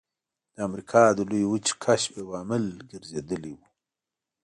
د امریکا د لویې وچې کشف یو عامل ګرځېدلی و.